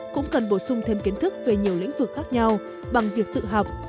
cũng cần bổ sung thêm kiến thức về nhiều lĩnh vực khác nhau bằng việc tự học